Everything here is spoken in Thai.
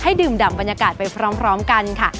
ดื่มดำบรรยากาศไปพร้อมกันค่ะ